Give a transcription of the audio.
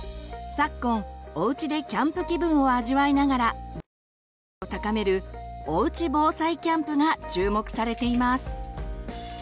昨今おうちでキャンプ気分を味わいながら防災意識を高める「おうち防災キャンプ」が注目されています。